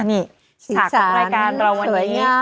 นี่ฉากของรายการเราวันนี้